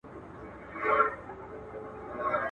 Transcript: د قصاب څنګ ته موچي په کار لګیا وو!